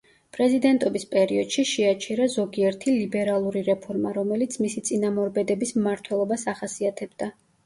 პრეზიდენტობის პერიოდში შეაჩერა ზოგიერთი ლიბერალური რეფორმა, რომელიც მისი წინამორბედების მმართველობას ახასიათებდა.